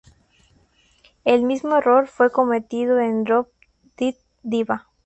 El mismo error fue cometido en "Drop Dead Diva".